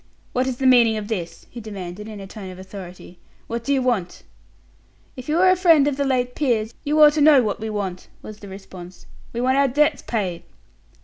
"What is the meaning of this?" he demanded, in a tone of authority. "What do you want?" "If you are a friend of the late peer's, you ought to know what we want," was the response. "We want our debts paid."